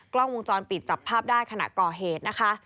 กล้องวงจรปิดจับภาพได้ขณะก่อเหตุนะคะ